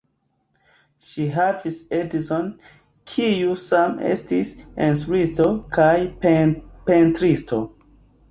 Ŝi havis edzon, kiu same estis instruisto kaj pentristo.